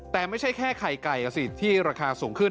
แต่ไม่ใช่แค่ไข่ไก่สิที่ราคาสูงขึ้น